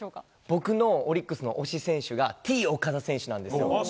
僕のオリックスの推し選手がＴー岡田選手なんですよ。